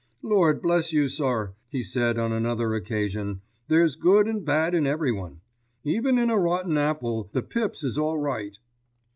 "Lord bless you, sir," he said on another occasion, "there's good an' bad in everyone. Even in a rotten apple the pips is all right."